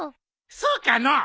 そうかの？